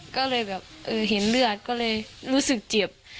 ก็เลยเห็นเลือดก็เลยรู้สึกเจ็บ